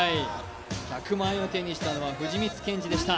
１００万円を手にしたのは藤光謙司でした。